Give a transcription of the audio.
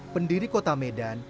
pendiri kota medan